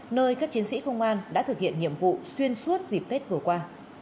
nơi các chiến sĩ công an đã thực hiện nhiệm vụ xuyên suốt dịp tết vừa qua